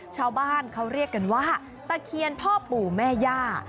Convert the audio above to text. ชาวบ้านเขาเรียกกันว่าตะเคียนพ่อปู่แม่ย่า